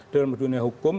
dalam dunia hukum